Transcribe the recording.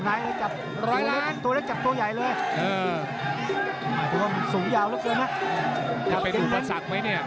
ร้อยล้านตัวเล็กตัวเล็กจับตัวใหญ่เลยเออสูงยาวแล้วเกินนะถ้าไปบุคสรรคไหมเนี่ย